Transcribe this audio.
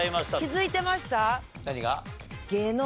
気づいてました？